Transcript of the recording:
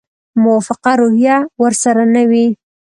موافقه روحیه ورسره نه وي.